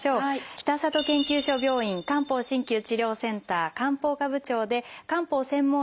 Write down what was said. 北里研究所病院漢方鍼灸治療センター漢方科部長で漢方専門医の鈴木邦彦さんです。